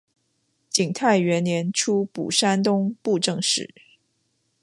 景泰元年出补山东布政使。